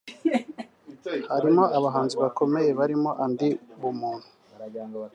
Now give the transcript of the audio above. harimo; abahanzi bakomeye barimo Andy bumuntu